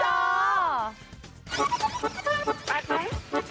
ไป